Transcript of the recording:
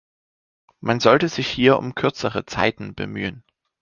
Man sollte sich hier um kürzere Zeiten bemühen.